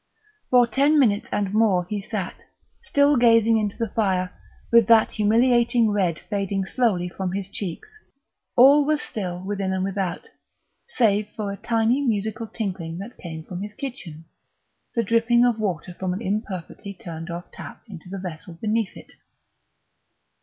For ten minutes and more he sat, still gazing into the fire, with that humiliating red fading slowly from his cheeks. All was still within and without, save for a tiny musical tinkling that came from his kitchen the dripping of water from an imperfectly turned off tap into the vessel beneath it.